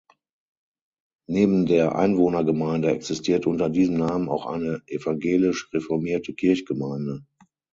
Neben der Einwohnergemeinde existiert unter diesem Namen auch eine evangelisch-reformierte Kirchgemeinde.